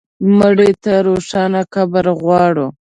مړه ته روښانه قبر غواړو